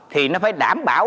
thì nó phải đảm bảo